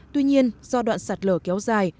tuy nhiên do đoạn sạt lở kéo ra